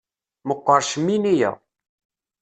Meqqer ccmini-ya.